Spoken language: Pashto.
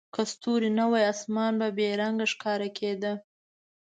که ستوري نه وای، اسمان به بې رنګه ښکاره کېده.